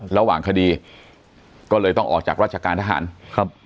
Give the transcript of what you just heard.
ระหว่างคดีก็เลยต้องออกจากราชการทหารครับ